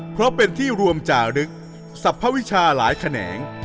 เพราะเป็นที่รวมจารึกสรรพวิชาหลายแขนง